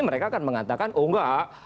mereka akan mengatakan oh enggak